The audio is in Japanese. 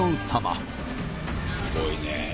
すごいね。